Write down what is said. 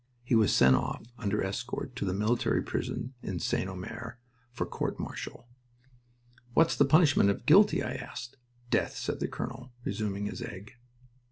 He was sent off under escort to the military prison in St. Omer for court martial. "What's the punishment if guilty?" I asked. "Death," said the colonel, resuming his egg.